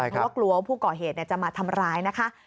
เพราะว่ากลัวว่าผู้ก่อเหตุจะมาทำร้ายนะคะ